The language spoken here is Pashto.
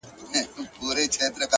o داسي نه كړو ـ